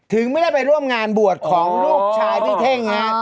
ถึงไม่ได้ไปร่วมงานบวชของลูกชายพี่เท่งฮะ